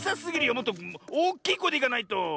もっとおっきいこえでいかないと。